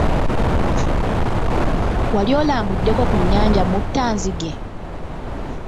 Wali olambuddeko ku nnyanja Muttanzige?